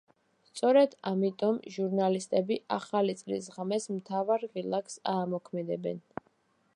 სწორედ ამიტომ, ჟურნალისტები ახალი წლის ღამეს, მთავარ ღილაკს აამოქმედებენ.